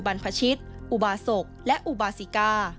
บรรพชิตอุบาศกและอุบาสิกา